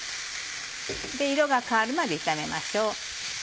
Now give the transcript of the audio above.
色が変わるまで炒めましょう。